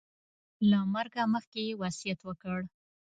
له مرګه مخکې یې وصیت وکړ.